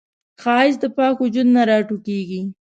ښایست د پاک وجود نه راټوکېږي